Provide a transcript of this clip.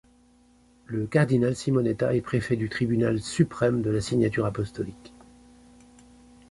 Le cardinal Simoneta est préfet du tribunal suprême de la Signature apostolique.